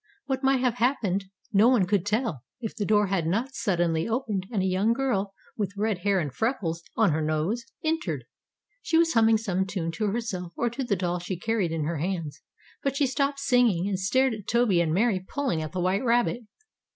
What might have happened no one could tell if the door had not suddenly opened, and a young girl, with red hair and freckles on her nose, entered. She was humming some tune to herself or to the doll she carried in her hands; but she stopped singing, and stared at Toby and Mary pulling at the white rabbit.